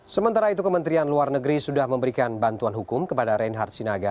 sementara itu kementerian luar negeri sudah memberikan bantuan hukum kepada reinhard sinaga